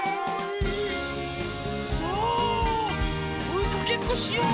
さあおいかけっこしよう！